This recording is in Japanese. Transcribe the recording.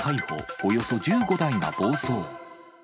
およそ１５台が暴走。